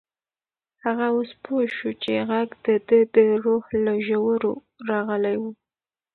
هغه اوس پوه شو چې غږ د ده د روح له ژورو راغلی و.